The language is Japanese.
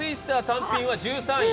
単品は１３位。